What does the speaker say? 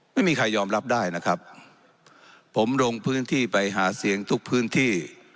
ไม่มีใครยอมรับได้นะครับผมลงพื้นที่ไปหาเสียงทุกพื้นที่